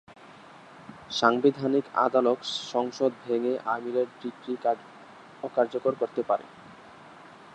সাংবিধানিক আদালত সংসদ ভেঙে আমিরের ডিক্রি অকার্যকর করতে পারে।